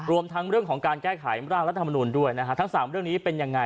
รวมทั้งเรื่องของการแก้ไขร่างรัฐมนุนด้วยนะฮะทั้ง๓เรื่องนี้เป็นยังไง